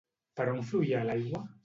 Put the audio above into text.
Per on fluïa l'aigua?